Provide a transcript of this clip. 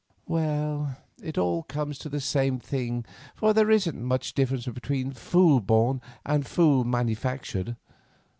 "Well, it all comes to the same thing, for there isn't much difference between fool born and fool manufactured.